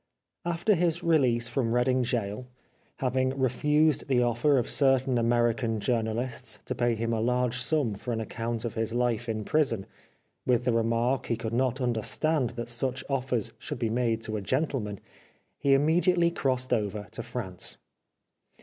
After his release from Reading Gaol — having refused the offer of certain American journalists to pay him a large sum for an account of his life in prison, with the remark he could not understand that such offers should be made to a gentleman — he immediately crossed over to France.